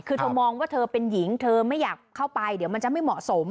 คือเธอมองว่าเธอเป็นหญิงเธอไม่อยากเข้าไปเดี๋ยวมันจะไม่เหมาะสม